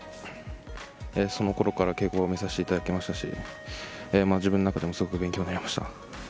そのころから稽古を見させていただきましたし自分の中でもすごく勉強になりました。